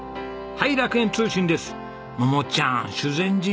はい。